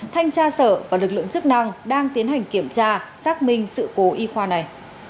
thanh tra sở và lực lượng chức năng đang tiến hành kiểm tra xác minh sự cố y khoa này